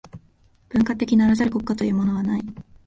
文化的ならざる国家というものはない。